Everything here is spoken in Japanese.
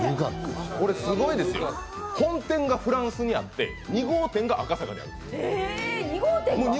これすごいですよ、本店がフランスにあって２号店が赤坂にあるんですよ。